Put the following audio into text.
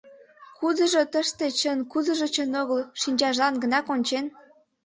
Кудыжо тыште чын, кудыжо чын огыл — шинчажлан гына кончен?